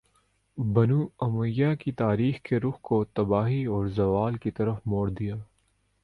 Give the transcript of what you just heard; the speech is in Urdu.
بنو امیہ کی تاریخ کے رخ کو تباہی اور زوال کی طرف موڑ دیا